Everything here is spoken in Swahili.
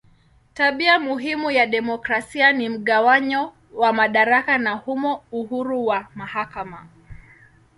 Tabia muhimu ya demokrasia ni mgawanyo wa madaraka na humo uhuru wa mahakama.